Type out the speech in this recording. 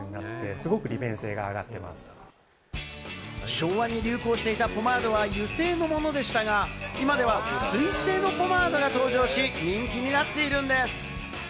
昭和に流行していたポマードは油性のものでしたが、今では水性のポマードが登場し、人気になっているんです。